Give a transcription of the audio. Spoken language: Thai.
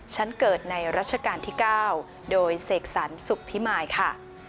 ฉันเกิดในรัชกาลที่๙โดยเสกสรรสุขพิมายค่ะ